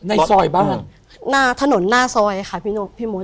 ในซอยบ้านหน้าถนนหน้าซอยค่ะพี่มด